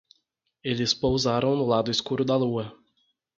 Eles pousaram no lado escuro da lua.